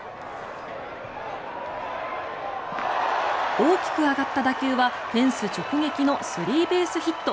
大きく上がった打球はフェンス直撃のスリーベースヒット。